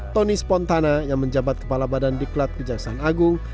tony spontana yang menjabat kepala badan diklat kejaksaan agung